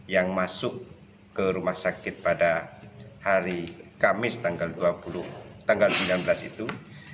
yang masuk ke rumah sakit pada hari kamis tanggal sembilan belas itu